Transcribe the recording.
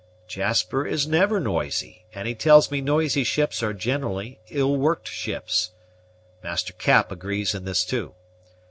"Jasper is never noisy; and he tells me noisy ships are generally ill worked ships. Master Cap agrees in this too.